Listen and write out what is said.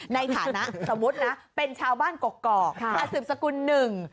ในฐานะสมมุตินะเป็นชาวบ้านกกอกอสืบสกุลหนึ่ง